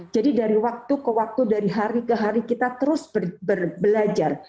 jadi dari waktu ke waktu dari hari ke hari kita terus belajar